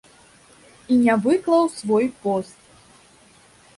І не выклаў свой пост.